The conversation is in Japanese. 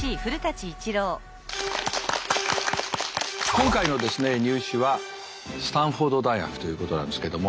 今回のですね「ニュー試」はスタンフォード大学ということなんですけども。